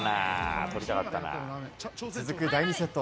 続く第２セット。